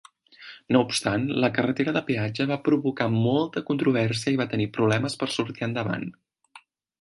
No obstant, la carretera de peatge va provocar molta controvèrsia i va tenir problemes per sortir endavant.